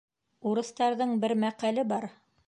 Урыҫтарҙың бер мәҡәле бар.